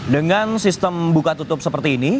dengan sistem buka tutup seperti ini